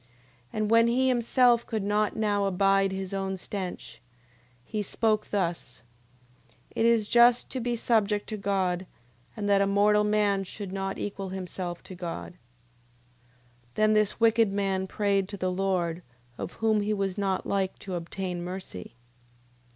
9:12. And when he himself could not now abide his own stench, he spoke thus: It is just to be subject to God, and that a mortal man should not equal himself to God. 9:13. Then this wicked man prayed to the Lord, of whom he was not like to obtain mercy.